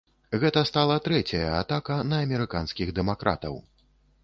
Гэта стала трэцяя атака на амерыканскіх дэмакратаў.